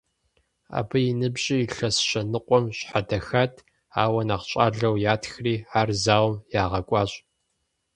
Абы и ныбжьыр илъэс щэ ныкъуэм щхьэдэхат, ауэ нэхъ щӏалэу ятхри, ар зауэм ягъэкӏуащ.